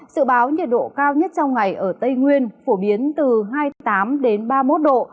sự báo nhiệt độ cao nhất trong ngày ở tây nguyên phổ biến từ hai mươi tám ba mươi một độ